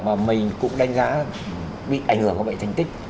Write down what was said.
mà mình cũng đánh giá bị ảnh hưởng của bệnh thành tích